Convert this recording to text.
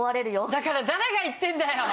だから誰が言ってんだよ！